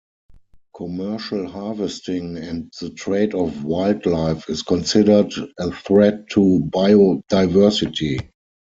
Commercial harvesting and the trade of wildlife is considered a threat to biodiversity.